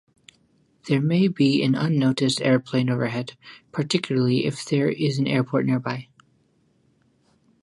There may be an unnoticed airplane overhead, particularly if there is an airport nearby.